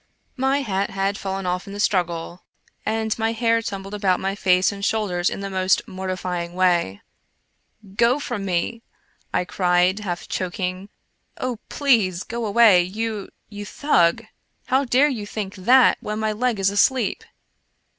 IVIy hat had fallen off in the struggle, and my hair tumbled about my face and shoulders in the most mortifying way. " Go away from me," I cried, half choking. " Oh, please go away, you — you Thug ! How dare you think that when my leg is asleep